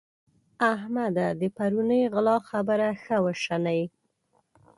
احمده! د پرونۍ غلا خبره ښه وشنئ.